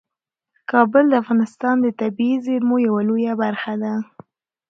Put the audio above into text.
کابل د افغانستان د طبیعي زیرمو یوه لویه برخه ده.